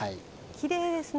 きれいですね。